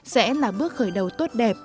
sẽ là bước khởi đầu tốt đẹp